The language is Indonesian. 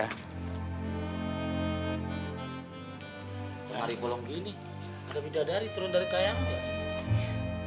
pernah hari bolong gini ada bidadari turun dari kayang